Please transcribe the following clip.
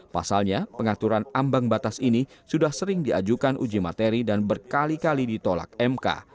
pasalnya pengaturan ambang batas ini sudah sering diajukan uji materi dan berkali kali ditolak mk